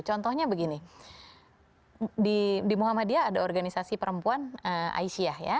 contohnya begini di muhammadiyah ada organisasi perempuan aisyah ya